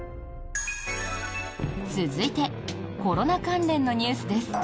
続いてコロナ関連のニュースです。